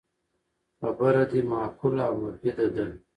خبره دی معقوله او مفیده ده